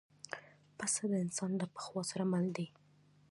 پسه د انسان له پخوا سره مل دی.